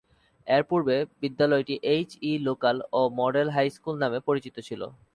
এর পূর্বে বিদ্যালয়টি এইচ ই লোকাল ও মডেল হাই স্কুল নামে পরিচিত ছিল।